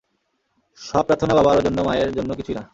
সব প্রার্থণা বাবার জন্য মায়ের জন্য কিছুই না?